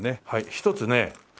１つね